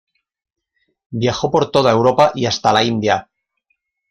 Viajó por toda Europa, y hasta la India.